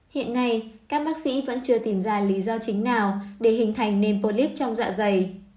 hiện nay các bác sĩ vẫn chưa tìm ra lý do chính nào để hình thành nền polip trong dạ dày